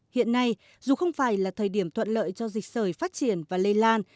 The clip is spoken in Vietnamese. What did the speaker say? hiện nay dù không phải là thời điểm thuận lợi cho dịch sởi phát triển và lây lan